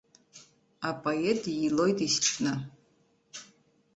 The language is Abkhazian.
Апоет диилоит есҽны!